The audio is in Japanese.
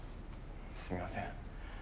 すみません